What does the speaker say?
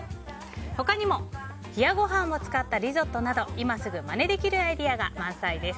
他にも冷やご飯を使ったリゾットなど今すぐまねできるアイデアが満載です。